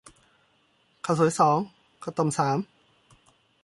ข้าวสวยสอง ข้าวต้มสาม